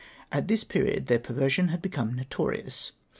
At this period their perversion had become notorious.